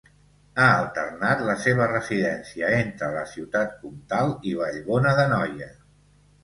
Ha alternat la seva residència entre la Ciutat Comtal i Vallbona d'Anoia.